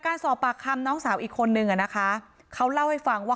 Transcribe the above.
การสอบปากคำน้องสาวอีกคนนึงอ่ะนะคะเขาเล่าให้ฟังว่า